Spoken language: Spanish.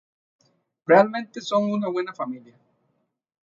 Realmente son una buena familia.